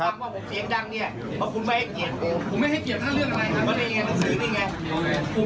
อ่าผมไม่ได้คู